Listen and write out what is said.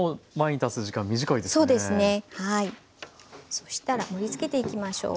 そしたら盛りつけていきましょう。